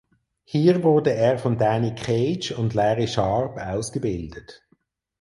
Hier wurde er von Danny Cage und Larry Sharpe ausgebildet.